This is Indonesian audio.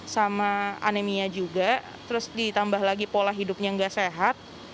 sama anemia juga terus ditambah lagi pola hidupnya nggak sehat